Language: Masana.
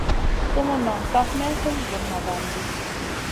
Sumun nong kaf may hum vuna van di.